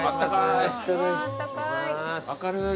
明るい。